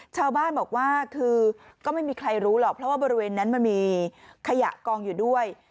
ชาวบ้านบอกว่าคือก็ไม่มีใครรู้หรอกเพราะว่าบริเวณนั้นมันมีขยะกองอยู่ด้วย